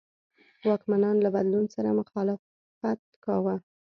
واکمنان له بدلون سره مخالفت کاوه.